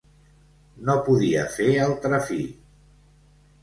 -No podia fer altra fi…